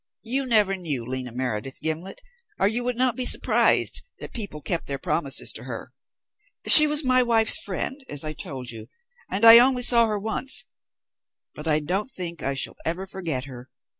"You never knew Lena Meredith, Gimblet, or you would not be surprised that people kept their promises to her. She was my wife's friend, as I told you, and I only saw her once, but I don't think I shall ever forget her.